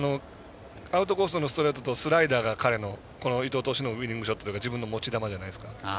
アウトコースのストレートスライダーこの伊藤投手のウイニングショット自分の持ち球ですね。